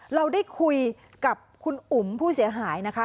เราได้คุยกับคุณอุ๋มผู้เสียหายนะคะ